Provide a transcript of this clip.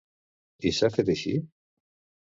I s'ha fet així?